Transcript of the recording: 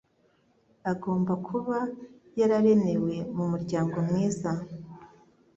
Agomba kuba yararerewe mu muryango mwiza.